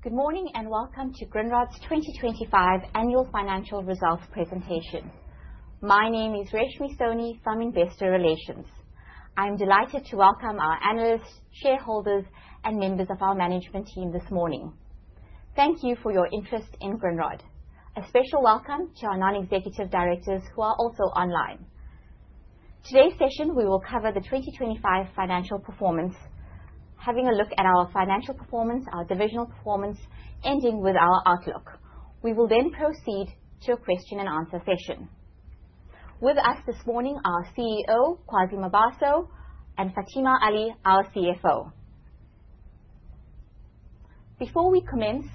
Good morning, welcome to Grindrod's 2025 Annual Financial Results presentation. My name is Reshmee Soni from Investor Relations. I am delighted to welcome our analysts, shareholders, and members of our management team this morning. Thank you for your interest in Grindrod. A special welcome to our non-executive directors who are also online. Today's session, we will cover the 2025 financial performance, having a look at our financial performance, our divisional performance, ending with our outlook. We will proceed to a question and answer session. With us this morning, our CEO, Kwazi Mabaso, and Fathima Ally, our CFO. Before we commence,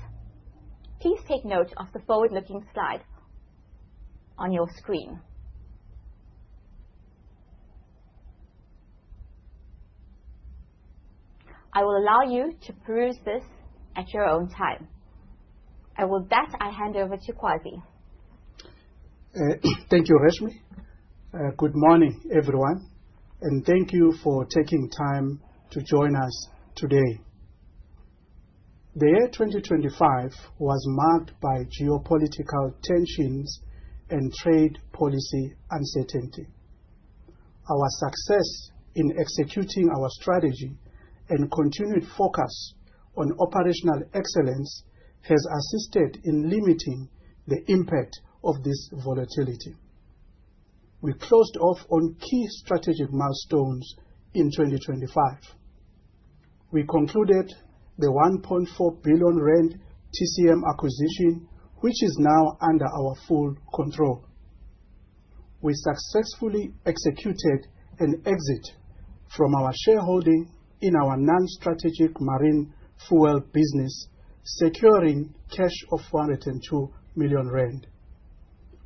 please take note of the forward-looking slide on your screen. I will allow you to peruse this at your own time. With that, I hand over to Kwazi. Thank you, Reshmee. Good morning, everyone, thank you for taking time to join us today. The year 2025 was marked by geopolitical tensions and trade policy uncertainty. Our success in executing our strategy and continued focus on operational excellence has assisted in limiting the impact of this volatility. We closed off on key strategic milestones in 2025. We concluded the 1.4 billion rand TCM acquisition, which is now under our full control. We successfully executed an exit from our shareholding in our non-strategic marine fuel business, securing cash of 402 million rand.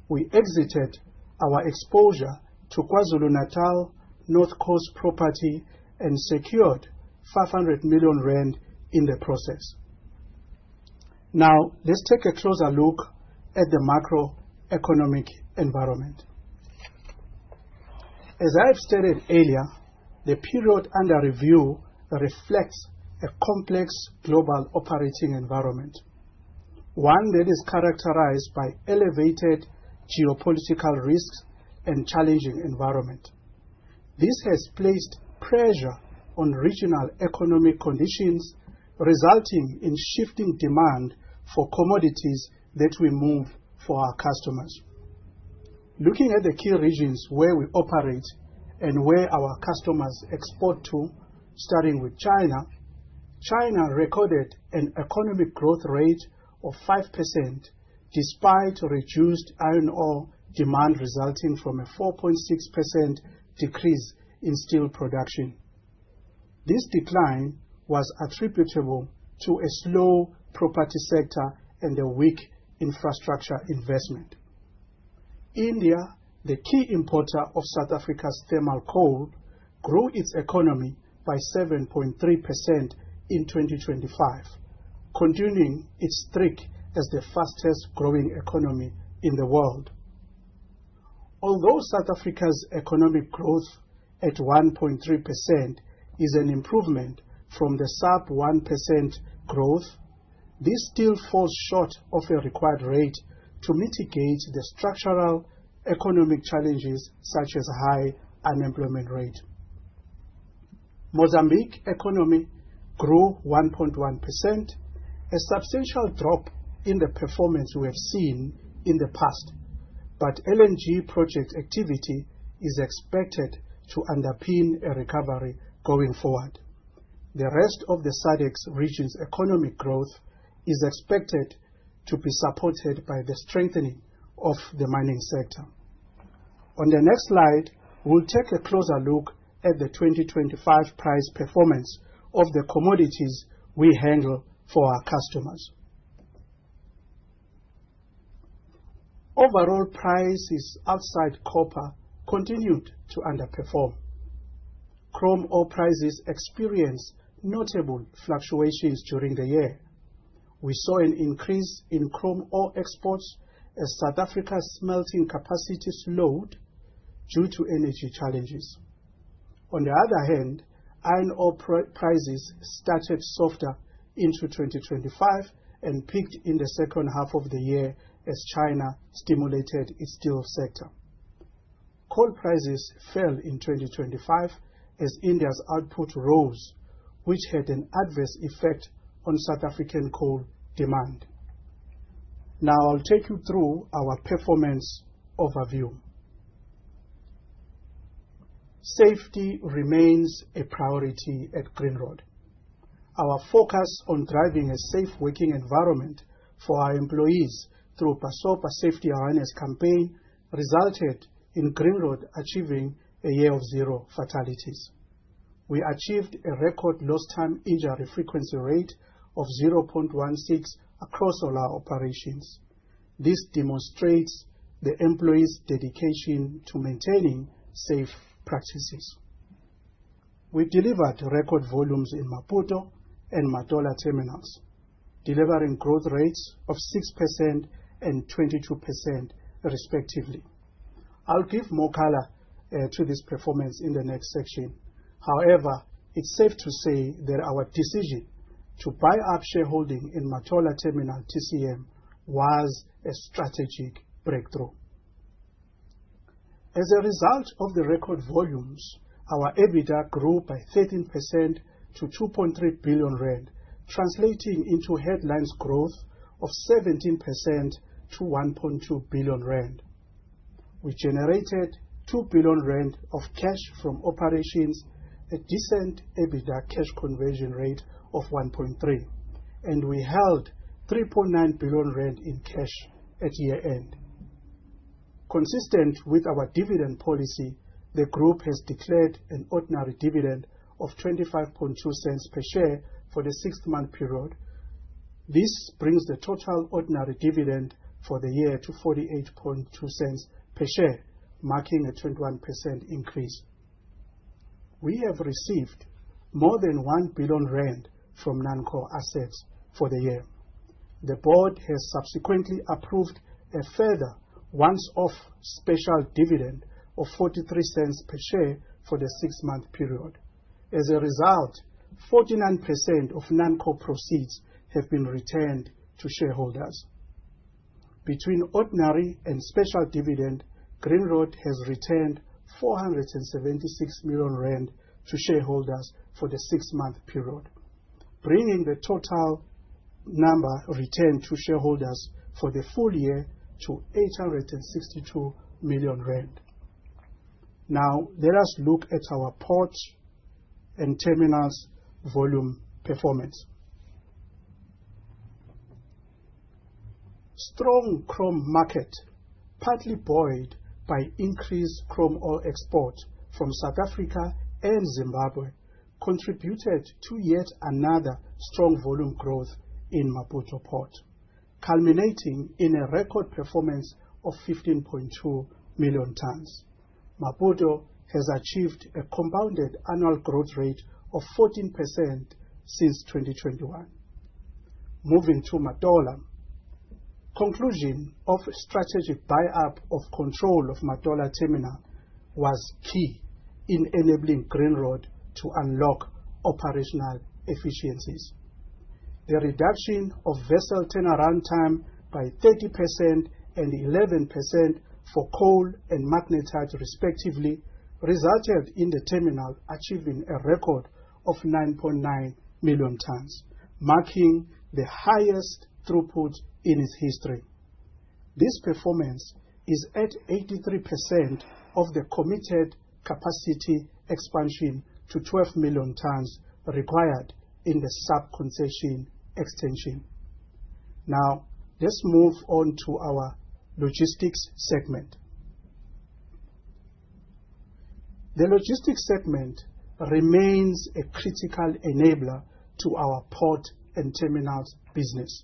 We exited our exposure to KwaZulu-Natal North Coast property and secured 500 million rand in the process. Let's take a closer look at the macroeconomic environment. As I have stated earlier, the period under review reflects a complex global operating environment, one that is characterized by elevated geopolitical risks and challenging environment. This has placed pressure on regional economic conditions, resulting in shifting demand for commodities that we move for our customers. Looking at the key regions where we operate and where our customers export to, starting with China. China recorded an economic growth rate of 5% despite reduced iron ore demand resulting from a 4.6% decrease in steel production. This decline was attributable to a slow property sector and a weak infrastructure investment. India, the key importer of South Africa's thermal coal, grew its economy by 7.3% in 2025, continuing its streak as the fastest-growing economy in the world. Although South Africa's economic growth at 1.3% is an improvement from the sub 1% growth, this still falls short of a required rate to mitigate the structural economic challenges, such as high unemployment rate. Mozambique economy grew 1.1%, a substantial drop in the performance we have seen in the past, LNG project activity is expected to underpin a recovery going forward. The rest of the SADC region's economic growth is expected to be supported by the strengthening of the mining sector. On the next slide, we will take a closer look at the 2025 price performance of the commodities we handle for our customers. Overall prices outside copper continued to underperform. Chrome ore prices experienced notable fluctuations during the year. We saw an increase in chrome ore exports as South Africa's smelting capacity slowed due to energy challenges. On the other hand, iron ore prices started softer into 2025 and peaked in the second half of the year as China stimulated its steel sector. Coal prices fell in 2025 as India's output rose, which had an adverse effect on South African coal demand. I'll take you through our performance overview. Safety remains a priority at Grindrod. Our focus on driving a safe working environment for our employees through Basopa safety awareness campaign resulted in Grindrod achieving a year of zero fatalities. We achieved a record lost time injury frequency rate of 0.16 across all our operations. This demonstrates the employees' dedication to maintaining safe practices. We delivered record volumes in Maputo and Matola terminals, delivering growth rates of 6% and 22% respectively. I'll give more color to this performance in the next section. It's safe to say that our decision to buy up shareholding in Matola Terminal, TCM, was a strategic breakthrough. As a result of the record volumes, our EBITDA grew by 13% to 2.3 billion rand, translating into headlines growth of 17% to 1.2 billion rand. We generated 2 billion rand of cash from operations, a decent EBITDA cash conversion rate of 1.3, and we held 3.9 billion rand in cash at year-end. Consistent with our dividend policy, the group has declared an ordinary dividend of 0.252 per share for the six-month period. This brings the total ordinary dividend for the year to 0.482 per share, marking a 21% increase. We have received more than 1 billion rand from non-core assets for the year. The board has subsequently approved a further once-off special dividend of 0.43 per share for the six-month period. As a result, 49% of non-core proceeds have been returned to shareholders. Between ordinary and special dividend, Grindrod has returned 476 million rand to shareholders for the six-month period, bringing the total number returned to shareholders for the full year to 862 million rand. Let us look at our ports and terminals volume performance. Strong chrome market, partly buoyed by increased chrome ore export from South Africa and Zimbabwe, contributed to yet another strong volume growth in Maputo Port, culminating in a record performance of 15.2 million tons. Maputo has achieved a compounded annual growth rate of 14% since 2021. Moving to Matola. Conclusion of strategic buy-up of control of Matola Terminal was key in enabling Grindrod to unlock operational efficiencies. The reduction of vessel turnaround time by 30% and 11% for coal and magnetite, respectively, resulted in the terminal achieving a record of 9.9 million tons, marking the highest throughput in its history. This performance is at 83% of the committed capacity expansion to 12 million tonnes required in the sub-concession extension. Let's move on to our logistics segment. The logistics segment remains a critical enabler to our port and terminals business.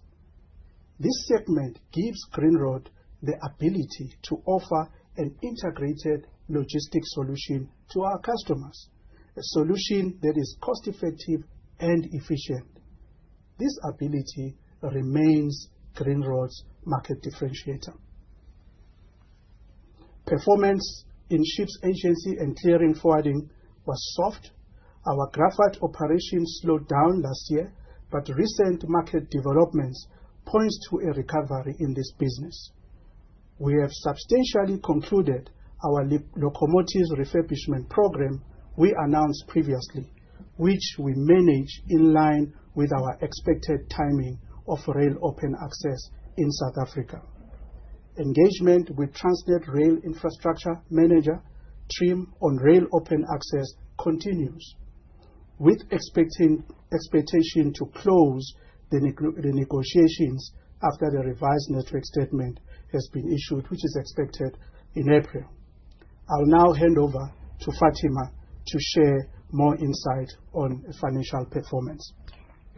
This segment gives Grindrod the ability to offer an integrated logistics solution to our customers, a solution that is cost-effective and efficient. This ability remains Grindrod's market differentiator. Performance in ships agency and clearing and forwarding was soft. Our graphite operations slowed down last year but recent market developments points to a recovery in this business. We have substantially concluded our locomotives refurbishment program we announced previously, which we manage in line with our expected timing of rail open access in South Africa. Engagement with Transnet Rail Infrastructure Manager, TRIM, on rail open access continues, with expectation to close the negotiations after the revised network statement has been issued which is expected in April. I'll now hand over to Fathima to share more insight on financial performance.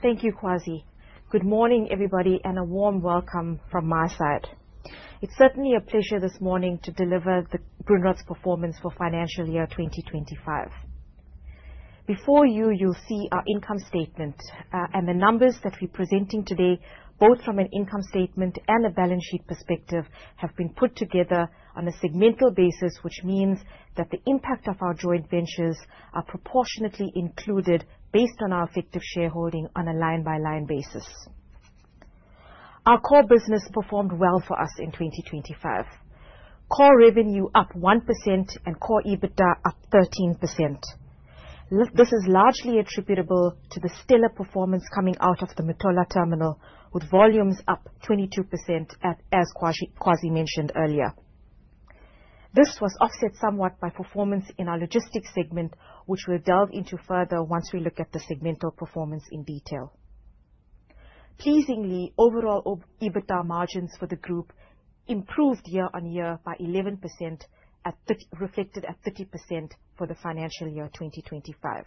Thank you, Kwazi. Good morning, everybody, and a warm welcome from my side. It's certainly a pleasure this morning to deliver the Grindrod's performance for FY 2025. Before you'll see our income statement, and the numbers that we're presenting today, both from an income statement and a balance sheet perspective have been put together on a segmental basis, which means that the impact of our joint ventures are proportionately included based on our effective shareholding on a line-by-line basis. Our core business performed well for us in 2025. Core revenue up 1% and core EBITDA up 13%. This is largely attributable to the stellar performance coming out of the Matola terminal, with volumes up 22% as Kwazi mentioned earlier. This was offset somewhat by performance in our logistics segment which we'll delve into further once we look at the segmental performance in detail. Pleasingly, overall EBITDA margins for the group improved year-over-year by 11%, reflected at 30% for the FY 2025.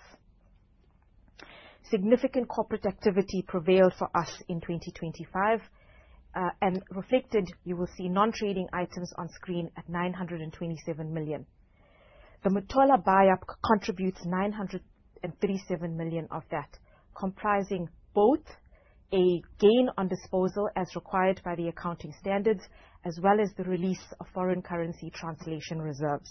Significant corporate activity prevailed for us in 2025, reflected, you will see non-trading items on screen at 927 million. The Matola buy-up contributes 937 million of that, comprising both a gain on disposal as required by the accounting standards, as well as the release of foreign currency translation reserves.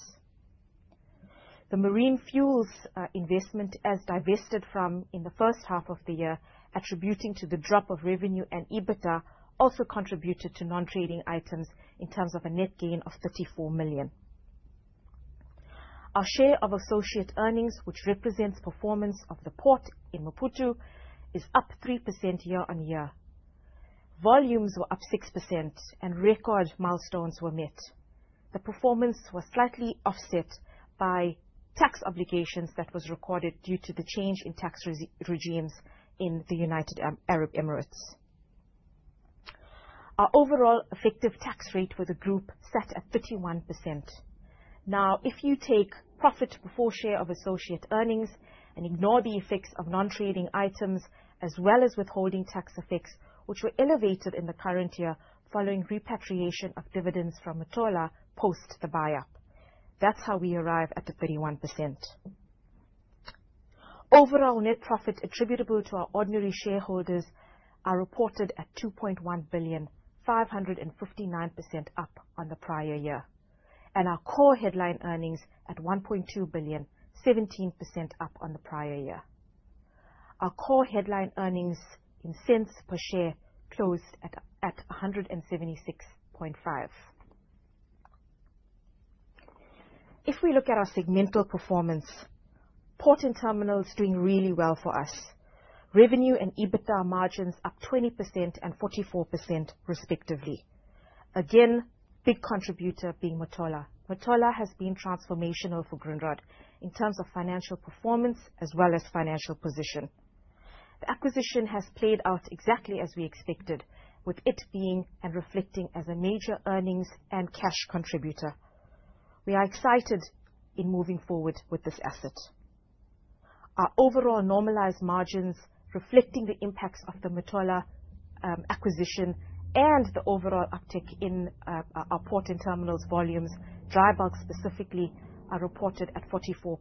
The marine fuels investment as divested from in the first half of the year, attributing to the drop of revenue and EBITDA, also contributed to non-trading items in terms of a net gain of 34 million. Our share of associate earnings, which represents performance of the port in Maputo, is up 3% year-over-year. Volumes were up 6% and record milestones were met. The performance was slightly offset by tax obligations that was recorded due to the change in tax regimes in the United Arab Emirates. Our overall effective tax rate for the group sat at 31%. If you take profit before share of associate earnings and ignore the effects of non-trading items as well as withholding tax effects, which were elevated in the current year following repatriation of dividends from Matola post the buy-up, that's how we arrive at the 31%. Overall net profit attributable to our ordinary shareholders are reported at 2.1 billion, 559% up on the prior year, and our core headline earnings at 1.2 billion, 17% up on the prior year. Our core headline earnings in cents per share closed at ZAR 1.765. If we look at our segmental performance, port and terminal is doing really well for us. Revenue and EBITDA margins up 20% and 44% respectively. Again, big contributor being Matola. Matola has been transformational for Grindrod in terms of financial performance as well as financial position. The acquisition has played out exactly as we expected, with it being and reflecting as a major earnings and cash contributor. We are excited in moving forward with this asset. Our overall normalized margins, reflecting the impacts of the Matola acquisition and the overall uptick in our port and terminals volumes, dry bulk specifically, are reported at 44%,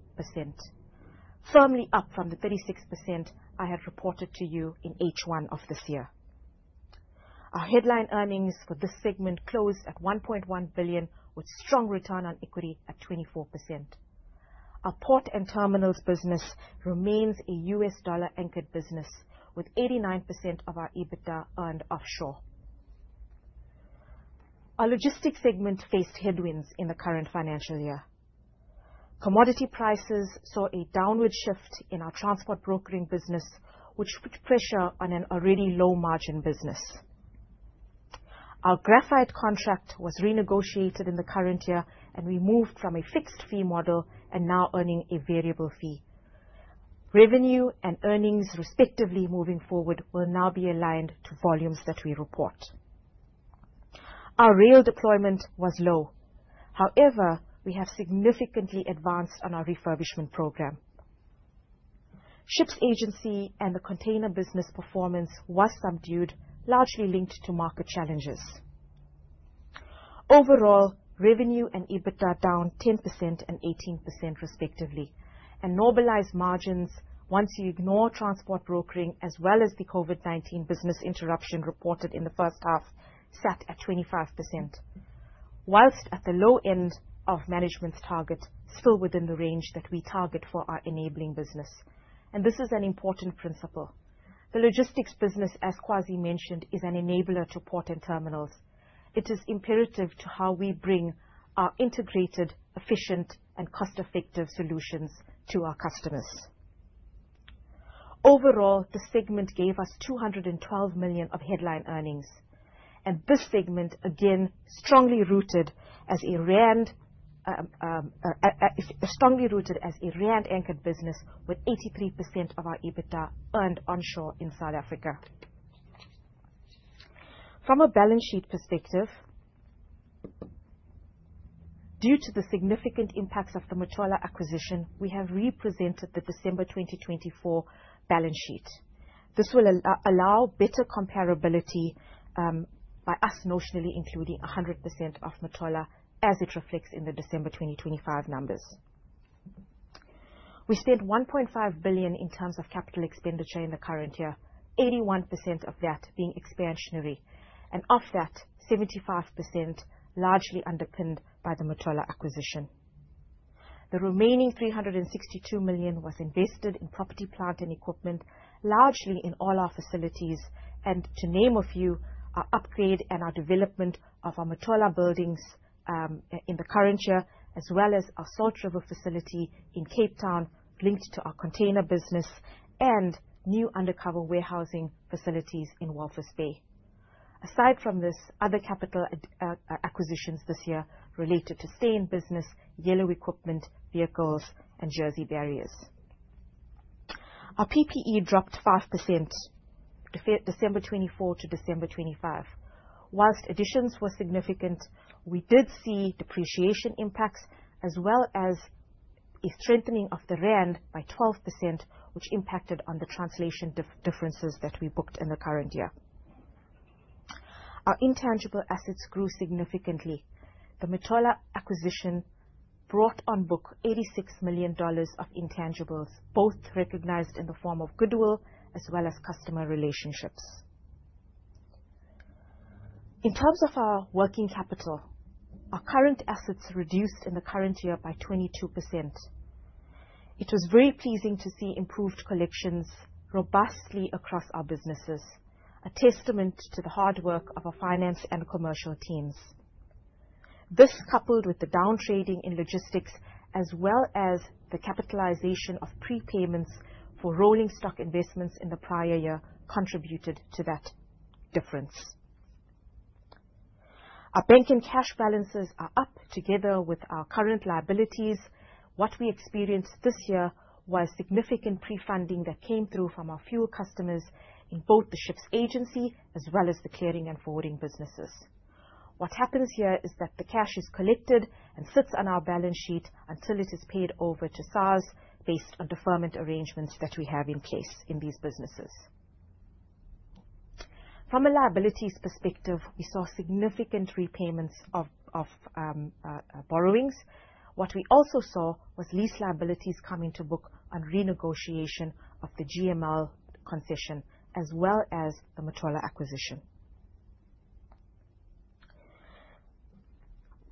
firmly up from the 36% I had reported to you in H1 of this year. Our headline earnings for this segment closed at 1.1 billion, with strong return on equity at 24%. Our port and terminals business remains a US dollar-anchored business, with 89% of our EBITDA earned offshore. Our logistics segment faced headwinds in the current financial year. Commodity prices saw a downward shift in our transport brokering business, which put pressure on an already low-margin business. Our graphite contract was renegotiated in the current year and we moved from a fixed fee model and now earning a variable fee. Revenue and earnings, respectively, moving forward, will now be aligned to volumes that we report. Our rail deployment was low. However, we have significantly advanced on our refurbishment program. Ships agency and the container business performance was subdued, largely linked to market challenges. Overall, revenue and EBITDA down 10% and 18% respectively, and normalized margins, once you ignore transport brokering as well as the COVID-19 business interruption reported in the first half, sat at 25%. Whilst at the low end of management's target, still within the range that we target for our enabling business. This is an important principle. The logistics business, as Kwazi mentioned, is an enabler to port and terminals. It is imperative to how we bring our integrated, efficient, and cost-effective solutions to our customers. Overall, the segment gave us 212 million of headline earnings, and this segment, again, strongly rooted as a rand-anchored business with 83% of our EBITDA earned onshore in South Africa. From a balance sheet perspective, due to the significant impacts of the Matola acquisition, we have represented the December 2024 balance sheet. This will allow better comparability by us notionally including 100% of Matola as it reflects in the December 2025 numbers. We spent 1.5 billion in terms of capital expenditure in the current year, 81% of that being expansionary, and of that, 75% largely underpinned by the Matola acquisition. The remaining 362 million was invested in property, plant, and equipment, largely in all our facilities, and to name a few, our upgrade and our development of our Matola buildings in the current year, as well as our Salt River facility in Cape Town linked to our container business and new undercover warehousing facilities in Walvis Bay. Aside from this, other capital acquisitions this year related to stay in business, yellow equipment, vehicles, and jersey barriers. Our PPE dropped 5% December 2024 to December 2025. Whilst additions were significant, we did see depreciation impacts as well as a strengthening of the rand by 12%, which impacted on the translation differences that we booked in the current year. Our intangible assets grew significantly. The Matola acquisition brought on book $86 million of intangibles, both recognized in the form of goodwill as well as customer relationships. In terms of our working capital, our current assets reduced in the current year by 22%. It was very pleasing to see improved collections robustly across our businesses, a testament to the hard work of our finance and commercial teams. This, coupled with the down trading in logistics as well as the capitalization of prepayments for rolling stock investments in the prior year, contributed to that difference. Our bank and cash balances are up together with our current liabilities. What we experienced this year was significant pre-funding that came through from our fuel customers in both the ships agency as well as the clearing and forwarding businesses. What happens here is that the cash is collected and sits on our balance sheet until it is paid over to SARS based on deferment arrangements that we have in place in these businesses. From a liabilities perspective, we saw significant repayments of borrowings. What we also saw was lease liabilities coming to book on renegotiation of the GML concession, as well as the Matola acquisition.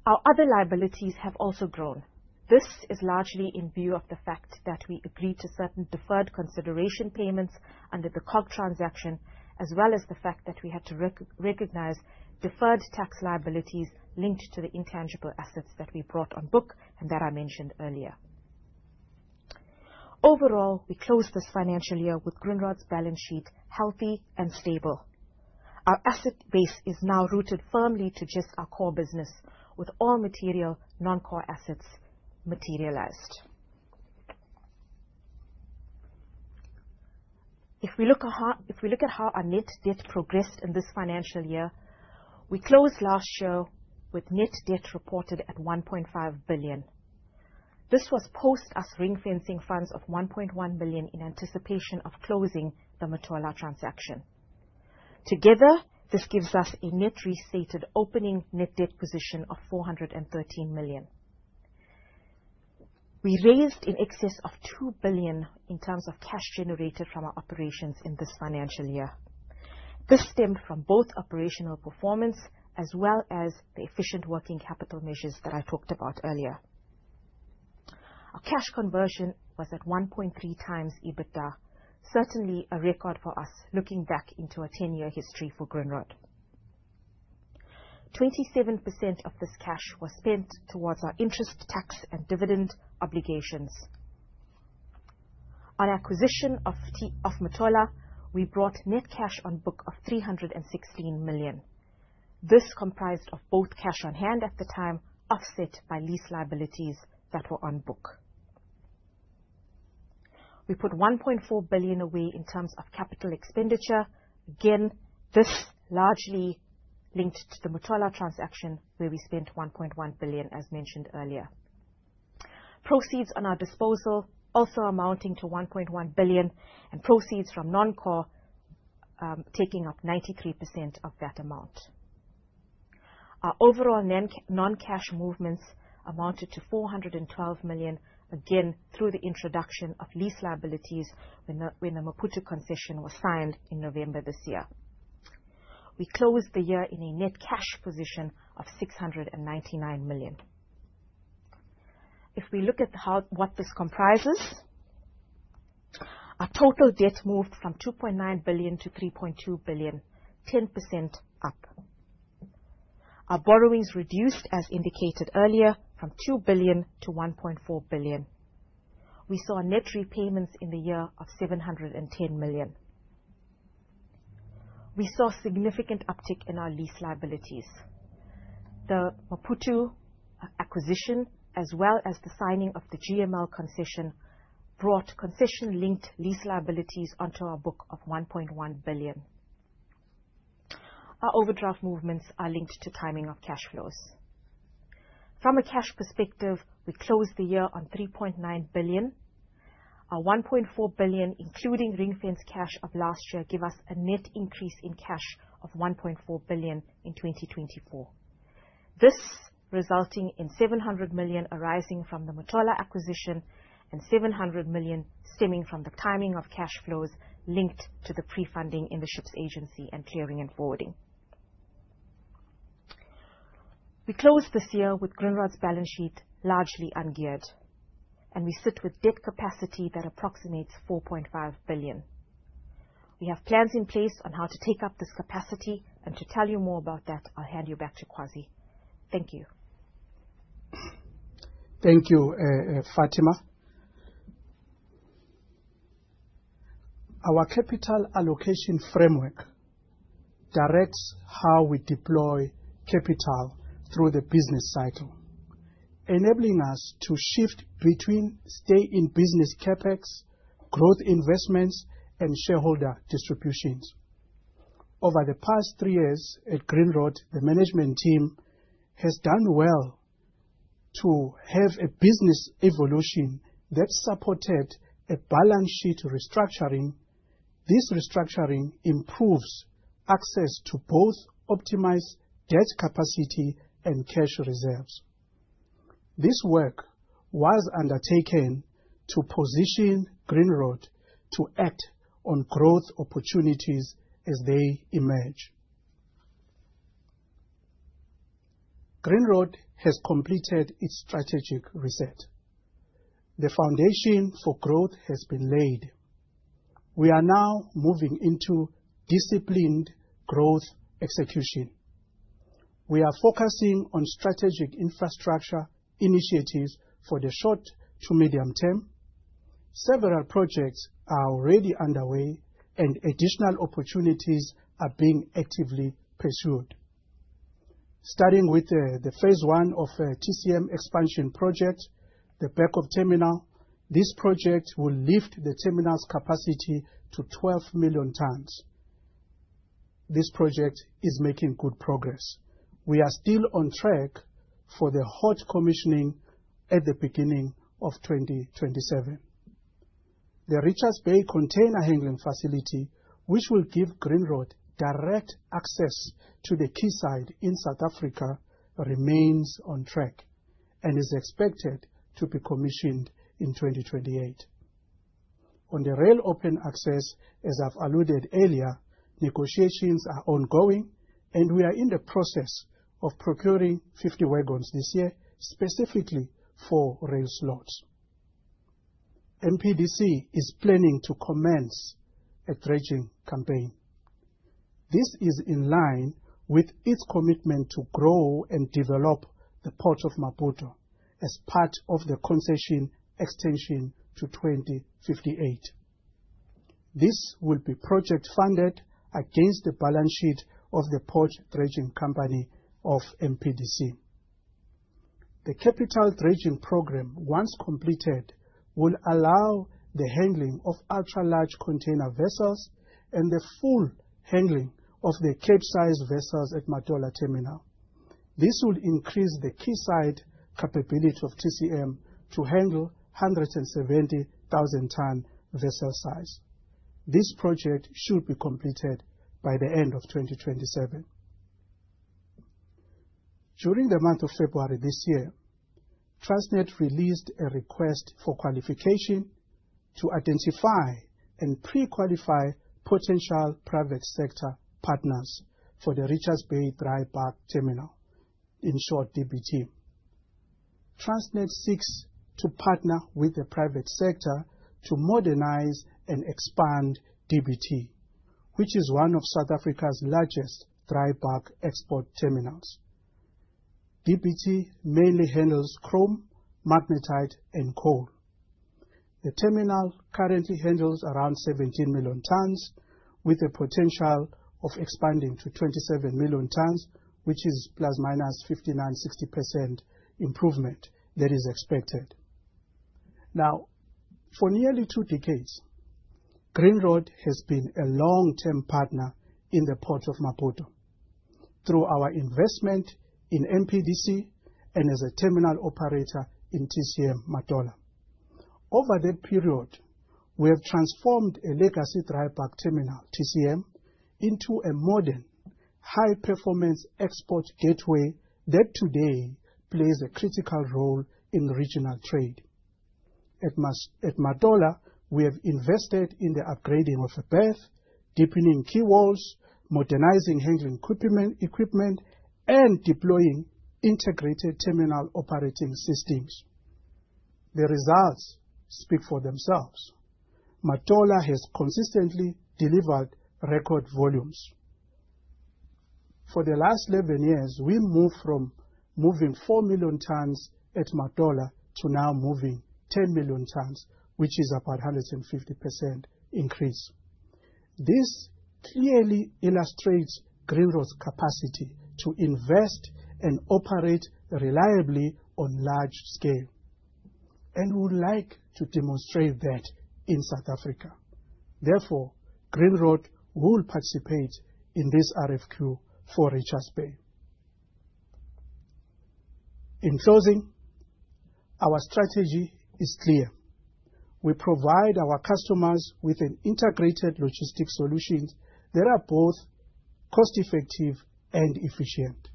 Our other liabilities have also grown. This is largely in view of the fact that we agreed to certain deferred consideration payments under the COG transaction, as well as the fact that we had to recognize deferred tax liabilities linked to the intangible assets that we brought on book and that I mentioned earlier. Overall, we closed this financial year with Grindrod's balance sheet healthy and stable. Our asset base is now rooted firmly to just our core business, with all material non-core assets materialized. If we look at how our net debt progressed in this financial year, we closed last year with net debt reported at 1.5 billion. This was post us ring-fencing funds of 1.1 billion in anticipation of closing the Matola transaction. Together, this gives us a net restated opening net debt position of 413 million. We raised in excess of 2 billion in terms of cash generated from our operations in this financial year. This stemmed from both operational performance as well as the efficient working capital measures that I talked about earlier. Our cash conversion was at 1.3 times EBITDA, certainly a record for us looking back into our 10-year history for Grindrod. 27% of this cash was spent towards our interest, tax, and dividend obligations. On acquisition of Matola, we brought net cash on book of $316 million. This comprised of both cash on hand at the time, offset by lease liabilities that were on book. We put 1.4 billion away in terms of capital expenditure. Again, this largely linked to the Matola transaction, where we spent 1.1 billion as mentioned earlier. Proceeds on our disposal also amounting to 1.1 billion and proceeds from non-core, taking up 93% of that amount. Our overall non-cash movements amounted to 412 million, again through the introduction of lease liabilities when the Maputo concession was signed in November this year. We closed the year in a net cash position of 699 million. If we look at what this comprises, our total debt moved from 2.9 billion to 3.2 billion, 10% up. Our borrowings reduced, as indicated earlier, from 2 billion to 1.4 billion. We saw net repayments in the year of 710 million. We saw significant uptick in our lease liabilities. The Maputo acquisition, as well as the signing of the GML concession, brought concession-linked lease liabilities onto our book of 1.1 billion. Our overdraft movements are linked to timing of cash flows. From a cash perspective, we closed the year on 3.9 billion. Our 1.4 billion, including ring-fenced cash of last year, give us a net increase in cash of 1.4 billion in 2024. This resulting in 700 million arising from the Matola acquisition and 700 million stemming from the timing of cash flows linked to the pre-funding in the ships agency and clearing and forwarding. We closed this year with Grindrod's balance sheet largely ungeared, and we sit with debt capacity that approximates 4.5 billion. We have plans in place on how to take up this capacity, and to tell you more about that, I'll hand you back to Kwazi. Thank you. Thank you, Fathima. Our capital allocation framework directs how we deploy capital through the business cycle, enabling us to shift between stay-in-business CapEx, growth investments, and shareholder distributions. Over the past three years at Grindrod, the management team has done well to have a business evolution that supported a balance sheet restructuring. This restructuring improves access to both optimize debt capacity and cash reserves. This work was undertaken to position Grindrod to act on growth opportunities as they emerge. Grindrod has completed its strategic reset. The foundation for growth has been laid. We are now moving into disciplined growth execution. We are focusing on strategic infrastructure initiatives for the short to medium term. Several projects are already underway and additional opportunities are being actively pursued. Starting with the phase I of TCM expansion project, the backup terminal. This project will lift the terminal's capacity to 12 million tons. This project is making good progress. We are still on track for the hot commissioning at the beginning of 2027. The Richards Bay container handling facility, which will give Grindrod direct access to the quayside in South Africa, remains on track and is expected to be commissioned in 2028. On the rail open access, as I've alluded earlier, negotiations are ongoing and we are in the process of procuring 50 wagons this year, specifically for rail slots. MPDC is planning to commence a dredging campaign. This is in line with its commitment to grow and develop the Port of Maputo as part of the concession extension to 2058. This will be project funded against the balance sheet of the Port Dredging Company of MPDC. The capital dredging program, once completed, will allow the handling of ultra-large container vessels and the full handling of the Capesize vessels at Matola Terminal. This would increase the quayside capability of TCM to handle 170,000 ton vessel size. This project should be completed by the end of 2027. During the month of February this year, Transnet released a request for qualification to identify and pre-qualify potential Private Sector Participation partners for the Richards Bay Dry Bulk Terminal, in short, DBT. Transnet seeks to partner with the private sector to modernize and expand DBT, which is one of South Africa's largest dry bulk export terminals. DBT mainly handles chrome, magnetite, and coal. The terminal currently handles around 17 million tons, with the potential of expanding to 27 million tons, which is ±59%, 60% improvement that is expected. For nearly two decades, Grindrod has been a long-term partner in the Port of Maputo through our investment in MPDC and as a terminal operator in TCM Matola. Over that period, we have transformed a legacy dry bulk terminal, TCM, into a modern, high-performance export gateway that today plays a critical role in regional trade. At Matola, we have invested in the upgrading of a berth, deepening quay walls, modernizing handling equipment, and deploying integrated terminal operating systems. The results speak for themselves. Matola has consistently delivered record volumes. For the last 11 years, we moved from moving 4 million tons at Matola to now moving 10 million tons, which is about 150% increase. This clearly illustrates Grindrod's capacity to invest and operate reliably on large scale, and would like to demonstrate that in South Africa. Therefore, Grindrod will participate in this RFQ for Richards Bay. In closing, our strategy is clear. We provide our customers with an integrated logistics solutions that are both cost-effective and efficient.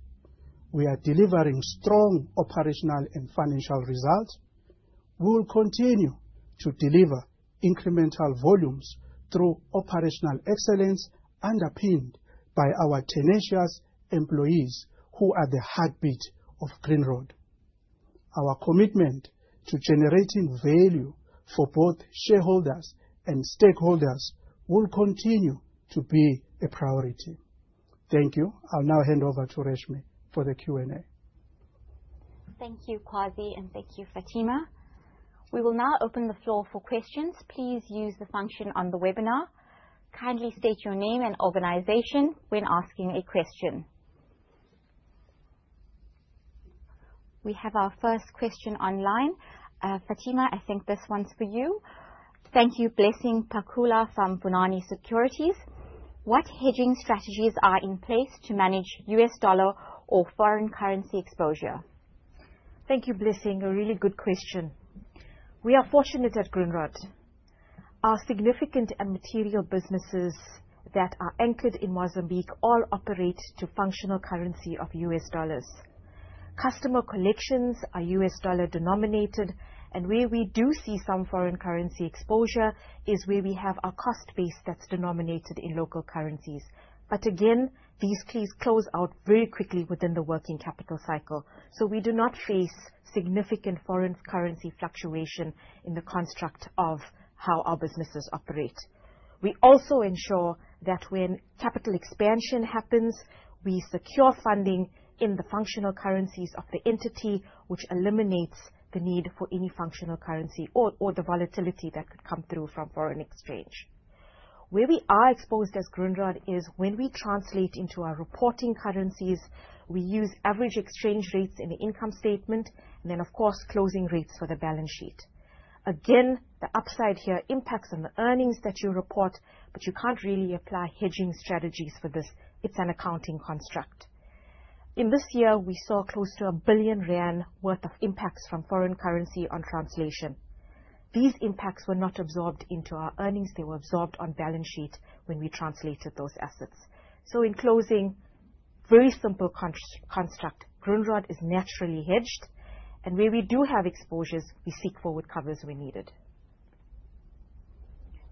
We are delivering strong operational and financial results. We will continue to deliver incremental volumes through operational excellence underpinned by our tenacious employees who are the heartbeat of Grindrod. Our commitment to generating value for both shareholders and stakeholders will continue to be a priority. Thank you. I'll now hand over to Reshmee for the Q&A. Thank you, Kwazi, and thank you, Fathima. We will now open the floor for questions. Please use the function on the webinar. Kindly state your name and organization when asking a question. We have our first question online. Fathima, I think this one's for you. Thank you. Blessing Pakula from Vunani Securities. ''What hedging strategies are in place to manage U.S. dollar or foreign currency exposure?'' Thank you, Blessing. A really good question. We are fortunate at Grindrod. Our significant and material businesses that are anchored in Mozambique all operate to functional currency of U.S. dollars. Customer collections are U.S. dollar denominated, and where we do see some foreign currency exposure is where we have our cost base that's denominated in local currencies. Again, these close out very quickly within the working capital cycle. We do not face significant foreign currency fluctuation in the construct of how our businesses operate. We also ensure that when capital expansion happens, we secure funding in the functional currencies of the entity, which eliminates the need for any functional currency or the volatility that could come through from foreign exchange. Where we are exposed as Grindrod is when we translate into our reporting currencies, we use average exchange rates in the income statement. Of course, closing rates for the balance sheet. Again, the upside here impacts on the earnings that you report, you can't really apply hedging strategies for this. It's an accounting construct. In this year, we saw close to 1 billion rand worth of impacts from foreign currency on translation. These impacts were not absorbed into our earnings. They were absorbed on balance sheet when we translated those assets. In closing, very simple construct. Grindrod is naturally hedged, and where we do have exposures, we seek forward covers where needed.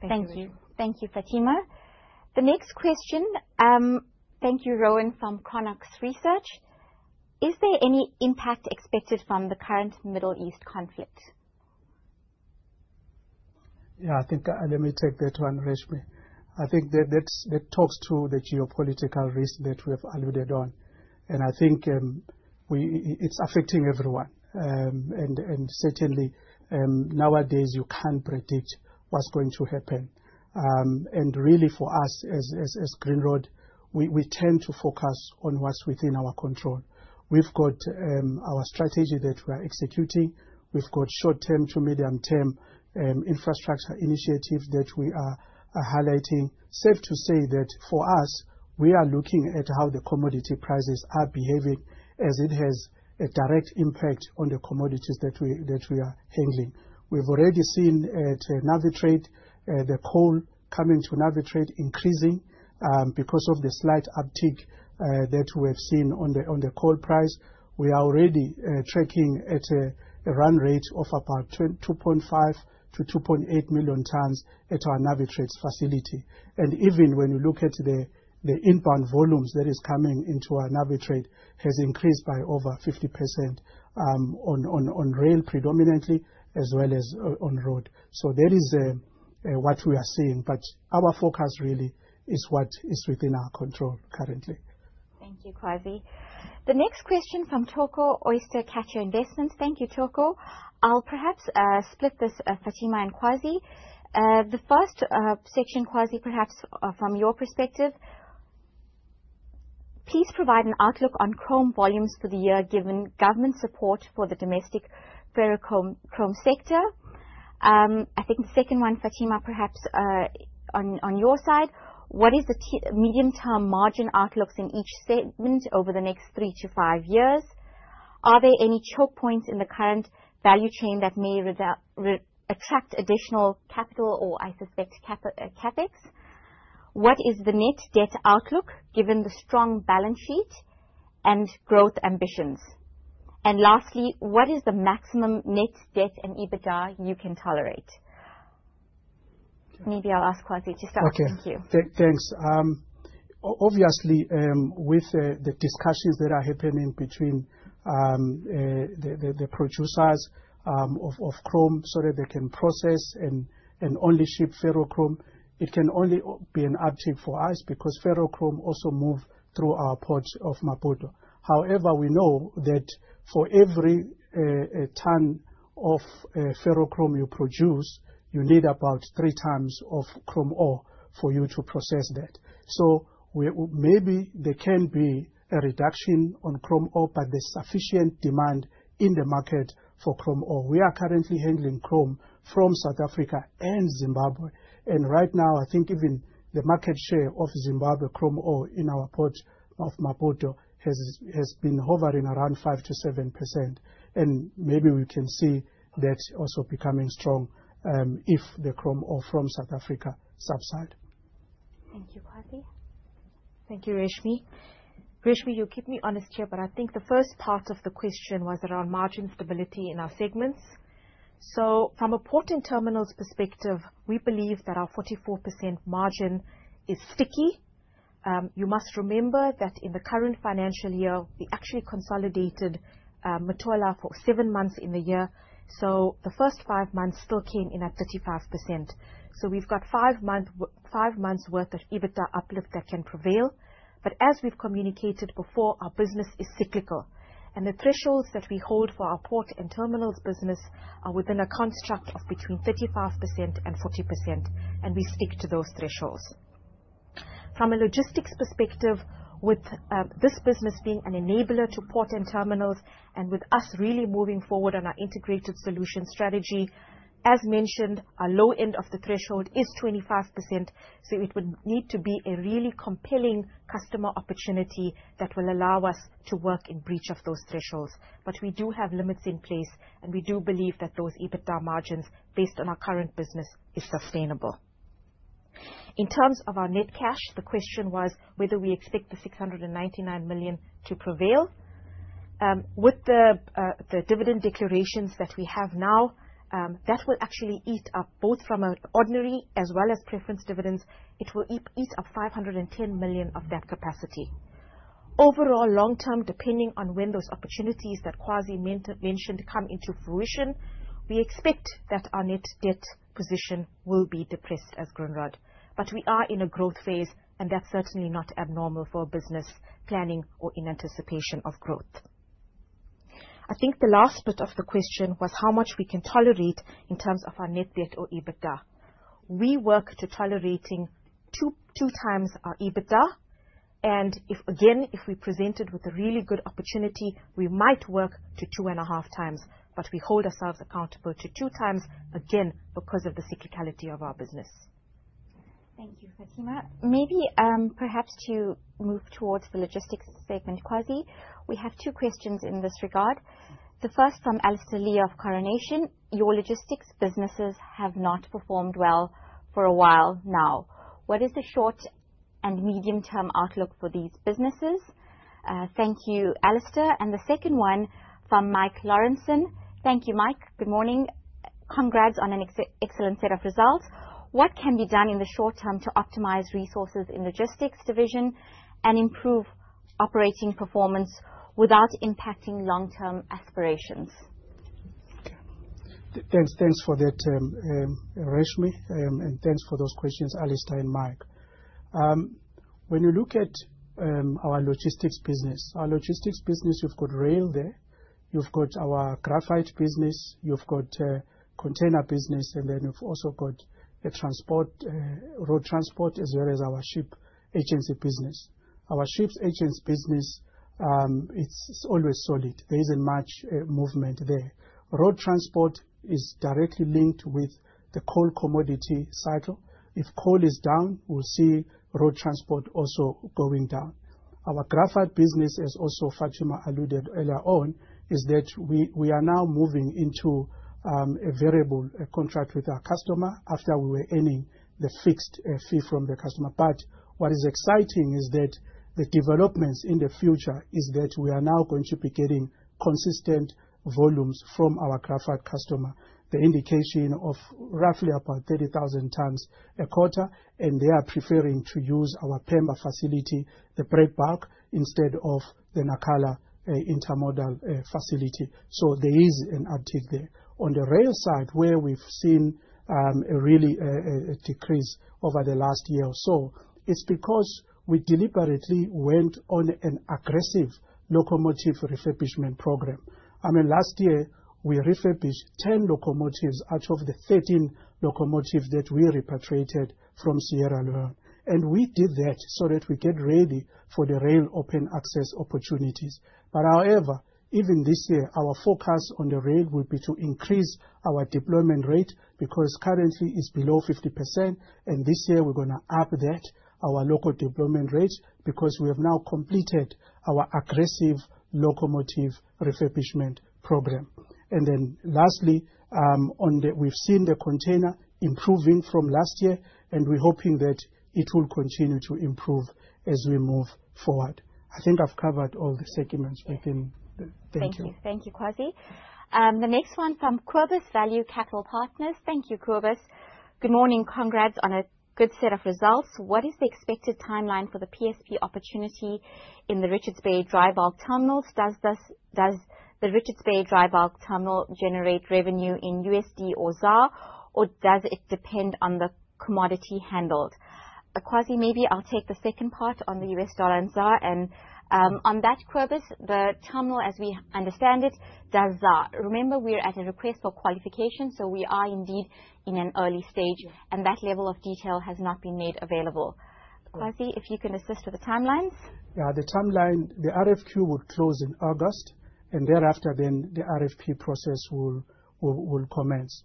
Thank you. Thank you, Fathima. The next question, thank you, Rowan from Chronux Research. ''Is there any impact expected from the current Middle East conflict?'' Yeah, let me take that one, Reshmee. I think that talks to the geopolitical risk that we have alluded on. I think it's affecting everyone. Certainly, nowadays, you can't predict what's going to happen. Really, for us, as Grindrod, we tend to focus on what's within our control. We've got our strategy that we are executing. We've got short-term to medium-term infrastructure initiatives that we are highlighting. Safe to say that for us, we are looking at how the commodity prices are behaving as it has a direct impact on the commodities that we are handling. We've already seen at Navitrade, the coal coming to Navitrade increasing, because of the slight uptick that we have seen on the coal price. We are already tracking at a run rate of about 2.5 million to 2.8 million tons at our Navitrade facility. Even when you look at the inbound volumes that is coming into our Navitrade has increased by over 50% on rail predominantly as well as on road. That is what we are seeing, but our focus really is what is within our control currently. Thank you, Kwazi. The next question from Thoko, Oyster Catcher Investments. Thank you, Thoko. I'll perhaps split this, Fathima and Kwazi. The first section, Kwazi, perhaps from your perspective. Please provide an outlook on chrome volumes for the year, given government support for the domestic ferrochrome sector. I think the second one, Fathima, perhaps on your side. What is the medium-term margin outlooks in each segment over the next three to five years? Are there any choke points in the current value chain that may attract additional capital or I suspect, CapEx? What is the net debt outlook given the strong balance sheet and growth ambitions? Lastly, what is the maximum net debt and EBITDA you can tolerate? Maybe I'll ask Kwazi to start. Thank you. Okay. Thanks. Obviously, with the discussions that are happening between the producers of chrome, that they can process and only ship ferrochrome, it can only be an uptick for us because ferrochrome also move through our ports of Maputo. We know that for every ton of ferrochrome you produce, you need about three times of chrome ore for you to process that. Maybe there can be a reduction on chrome ore, there's sufficient demand in the market for chrome ore. We are currently handling chrome from South Africa and Zimbabwe. Right now, I think even the market share of Zimbabwe chrome ore in our Port of Maputo has been hovering around 5% to 7%. Maybe we can see that also becoming strong, if the chrome ore from South Africa subside. Thank you, Kwazi. Thank you, Reshmee. Reshmee, you'll keep me honest here, I think the first part of the question was around margin stability in our segments. From a port and terminals perspective, we believe that our 44% margin is sticky. You must remember that in the current financial year, we actually consolidated Matola for seven months in the year. The first five months still came in at 35%. We've got five months' worth of EBITDA uplift that can prevail. As we've communicated before, our business is cyclical, the thresholds that we hold for our port and terminals business are within a construct of between 35% and 40%, we stick to those thresholds. From a logistics perspective, with this business being an enabler to port and terminals, with us really moving forward on our integrated solution strategy. As mentioned, our low end of the threshold is 25%, it would need to be a really compelling customer opportunity that will allow us to work in breach of those thresholds. We do have limits in place, we do believe that those EBITDA margins, based on our current business, is sustainable. In terms of our net cash, the question was whether we expect the 699 million to prevail. With the dividend declarations that we have now, that will actually eat up, both from an ordinary as well as preference dividends, it will eat up 510 million of that capacity. Overall, long term, depending on when those opportunities that Kwazi mentioned come into fruition, we expect that our net debt position will be depressed as Grindrod. We are in a growth phase, and that's certainly not abnormal for a business planning or in anticipation of growth. I think the last bit of the question was how much we can tolerate in terms of our net debt or EBITDA. We work to tolerating two times our EBITDA, and again, if we're presented with a really good opportunity, we might work to two and a half times. We hold ourselves accountable to two times, again, because of the cyclicality of our business. Thank you, Fathima. Maybe perhaps to move towards the logistics segment, Kwazi. We have two questions in this regard. The first from Alistair Lea of Coronation. ''Your logistics businesses have not performed well for a while now. What is the short- and medium-term outlook for these businesses?'' Thank you, Alistair. The second one from Mike Laurenson. ''Thank you, Mike. Good morning. Congrats on an excellent set of results. What can be done in the short term to optimize resources in logistics division and improve operating performance without impacting long-term aspirations?'' Okay. Thanks for that, Reshmee, and thanks for those questions, Alistair and Mike. When you look at our logistics business, our logistics business, you've got rail there, you've got our graphite business, you've got container business and then you've also got road transport as well as our ship agency business. Our ships agents business, it's always solid. There isn't much movement there. Road transport is directly linked with the coal commodity cycle. If coal is down, we'll see road transport also going down. Our graphite business, as also Fathima alluded earlier on, is that we are now moving into a variable contract with our customer after we were earning the fixed fee from the customer. What is exciting is that the developments in the future is that we are now going to be getting consistent volumes from our graphite customer. The indication of roughly about 30,000 tons a quarter, they are preferring to use our Pemba facility, the break bulk, instead of the Nacala intermodal facility. There is an uptick there. On the rail side, where we've seen really a decrease over the last year or so, it's because we deliberately went on an aggressive locomotive refurbishment program. Last year, we refurbished 10 locomotives out of the 13 locomotives that we repatriated from Sierra Leone, we did that so that we get ready for the rail open access opportunities. However, even this year, our focus on the rail will be to increase our deployment rate because currently it's below 50%, this year we're going to up that, our local deployment rate, because we have now completed our aggressive locomotive refurbishment program. Lastly, we've seen the container improving from last year, and we're hoping that it will continue to improve as we move forward. I think I've covered all the segments within. Thank you. Thank you, Kwazi. The next one from Cobus, Value Capital Partners. Thank you, Cobus. ''Good morning. Congrats on a good set of results. What is the expected timeline for the PSP opportunity in the Richards Bay Dry Bulk Terminal? Does the Richards Bay Dry Bulk Terminal generate revenue in USD or ZAR, or does it depend on the commodity handled? Kwazi, maybe I'll take the second part on the US dollar and ZAR. On that, Cobus, the terminal, as we understand it, does ZAR. Remember, we're at a request for qualification, so we are indeed in an early stage, and that level of detail has not been made available. Kwazi, if you can assist with the timelines. The timeline, the RFQ would close in August, thereafter, the RFP process will commence.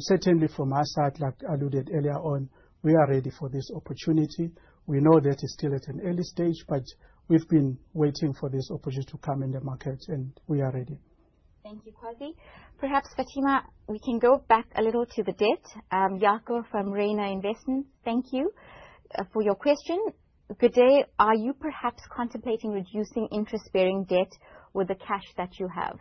Certainly, from our side, like I alluded earlier on, we are ready for this opportunity. We know that it's still at an early stage, but we've been waiting for this opportunity to come in the market, and we are ready. Thank you, Kwazi. Perhaps, Fathima, we can go back a little to the debt. Jaco from Reinet Investments, thank you for your question. Good day. ''Are you perhaps contemplating reducing interest-bearing debt with the cash that you have?''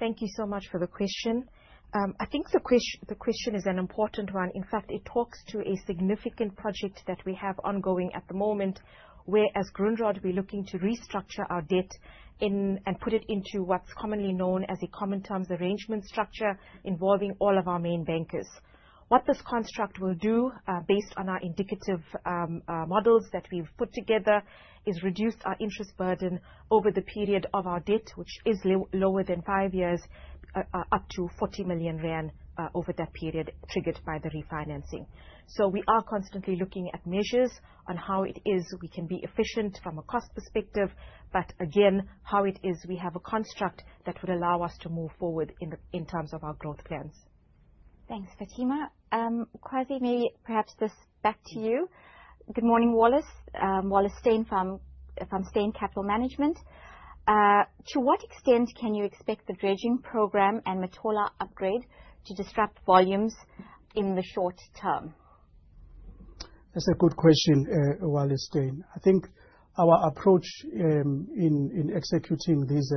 Thank you so much for the question. I think the question is an important one. In fact, it talks to a significant project that we have ongoing at the moment, where as Grindrod, we're looking to restructure our debt and put it into what's commonly known as a common terms arrangement structure involving all of our main bankers. What this construct will do, based on our indicative models that we've put together, is reduce our interest burden over the period of our debt which is lower than five years, up to 40 million rand over that period, triggered by the refinancing. We are constantly looking at measures on how it is we can be efficient from a cost perspective but again, how it is we have a construct that would allow us to move forward in terms of our growth plans. Thanks, Fathima. Kwazi, maybe perhaps this back to you. Good morning, Rick. Rick Stein from Stein Capital Management. ''To what extent can you expect the dredging program and Matola upgrade to disrupt volumes in the short term?'' That's a good question, Rick Stein. I think our approach in executing this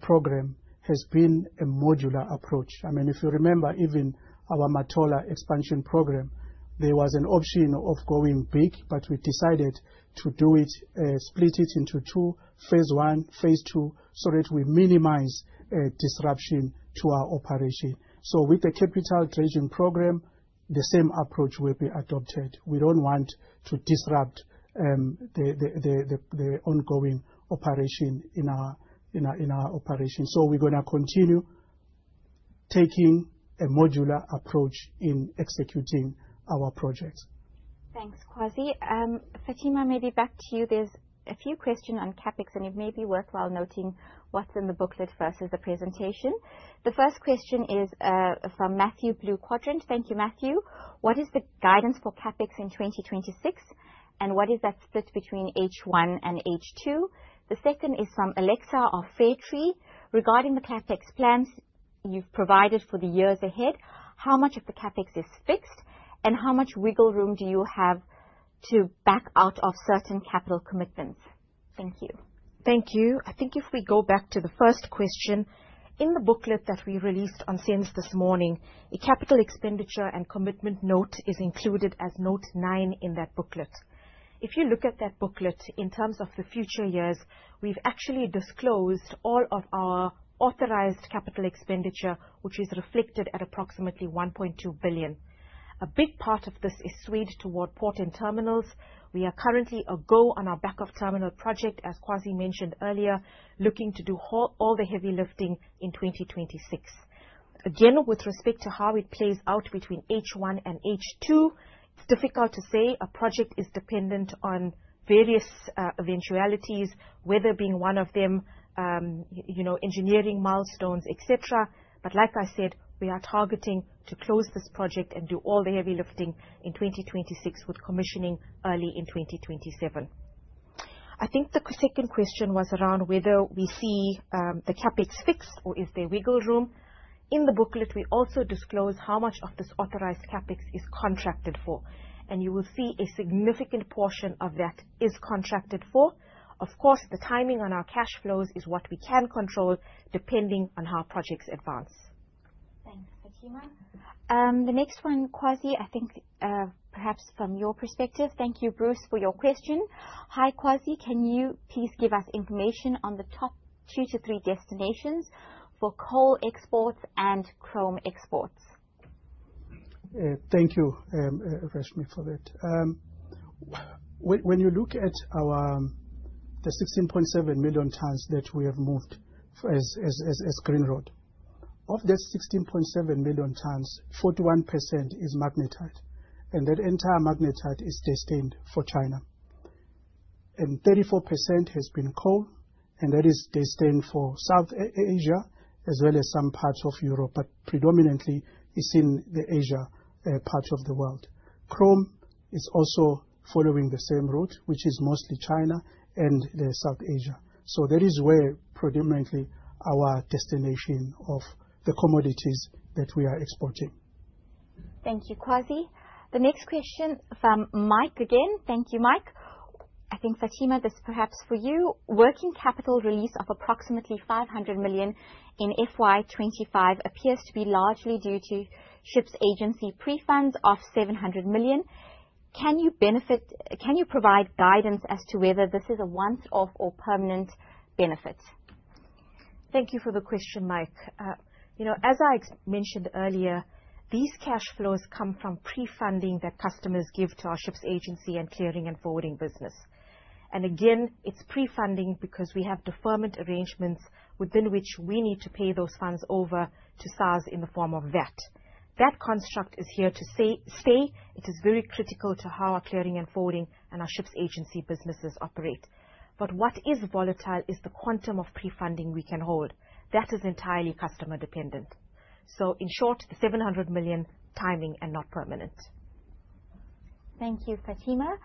program has been a modular approach. If you remember, even our Matola expansion program, there was an option of going big, but we decided to split it into two, phase I, phase II, so that we minimize disruption to our operation. With the capital dredging program, the same approach will be adopted. We don't want to disrupt the ongoing operation in our operation. We're going to continue taking a modular approach in executing our projects. Thanks, Kwazi. Fathima, maybe back to you. There's a few questions on CapEx, and it may be worthwhile noting what's in the booklet versus the presentation. The first question is from Matthew, Blue Quadrant. Thank you, Matthew. What is the guidance for CapEx in 2026, and what is that split between H1 and H2? The second is from Alexa of Fairtree. Regarding the CapEx plans you've provided for the years ahead, how much of the CapEx is fixed, and how much wiggle room do you have to back out of certain capital commitments? Thank you. Thank you. I think if we go back to the first question, in the booklet that we released on SENS this morning, a capital expenditure and commitment note is included as note nine in that booklet. If you look at that booklet in terms of the future years, we've actually disclosed all of our authorized capital expenditure, which is reflected at approximately 1.2 billion. A big part of this is swayed toward port and terminals. We are currently a go on our backup terminal project, as Kwazi mentioned earlier, looking to do all the heavy lifting in 2026. Again, with respect to how it plays out between H1 and H2, it's difficult to say. A project is dependent on various eventualities, weather being one of them, engineering milestones, et cetera. Like I said, we are targeting to close this project and do all the heavy lifting in 2026, with commissioning early in 2027. I think the second question was around whether we see the CapEx fixed or is there wiggle room. In the booklet, we also disclose how much of this authorized CapEx is contracted for, and you will see a significant portion of that is contracted for. Of course, the timing on our cash flows is what we can control depending on how projects advance. Thanks, Fathima. The next one, Kwazi, I think perhaps from your perspective. Thank you, Bruce, for your question. ''Hi, Kwazi. Can you please give us information on the top two to three destinations for coal exports and chrome exports?'' Thank you, Reshmee, for that. When you look at the 16.7 million tons that we have moved as Grindrod. Of that 16.7 million tons, 41% is magnetite, and that entire magnetite is destined for China. 34% has been coal, and that is destined for South Asia as well as some parts of Europe, but predominantly it's in the Asia part of the world. Chrome is also following the same route, which is mostly China and South Asia. That is where predominantly our destination of the commodities that we are exporting. Thank you, Kwazi. The next question from Mike again. Thank you, Mike. I think, Fathima, this is perhaps for you. Working capital release of approximately 500 million in FY 2025 appears to be largely due to ships agency prefunds of 700 million. Can you provide guidance as to whether this is a once-off or permanent benefit? Thank you for the question, Mike. As I mentioned earlier, these cash flows come from prefunding that customers give to our ships agency and clearing and forwarding business. Again, it's prefunding because we have deferment arrangements within which we need to pay those funds over to SARS in the form of VAT. That construct is here to stay. It is very critical to how our clearing and forwarding and our ships agency businesses operate. What is volatile is the quantum of prefunding we can hold. That is entirely customer dependent. In short, 700 million, timing and not permanent. Thank you, Fathima.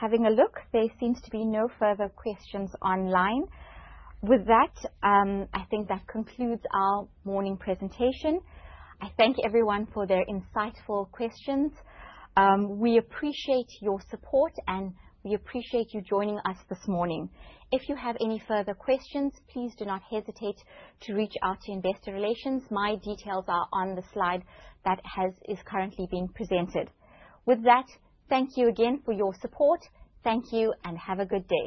Having a look, there seems to be no further questions online. I think that concludes our morning presentation. I thank everyone for their insightful questions. We appreciate your support, and we appreciate you joining us this morning. If you have any further questions, please do not hesitate to reach out to investor relations. My details are on the slide that is currently being presented. Thank you again for your support. Thank you, and have a good day.